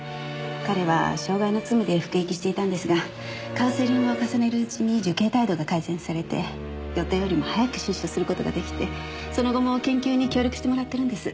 彼は傷害の罪で服役していたんですがカウンセリングを重ねるうちに受刑態度が改善されて予定よりも早く出所する事が出来てその後も研究に協力してもらってるんです。